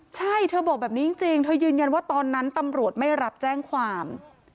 ใช่เธอบอกแบบนี้จริงเธอยืนยันว่าตอนนั้นตำรวจไม่รับแจ้งความ